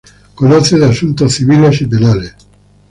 Conoce de asuntos civiles y penales.